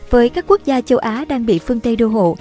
với các quốc gia châu á đang bị phương tây đô hộ